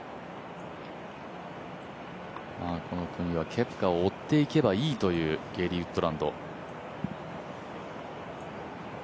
この組はケプカを追っていけばいいというゲーリー・ウッドランド。